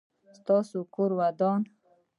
ستاسو کور ودان؟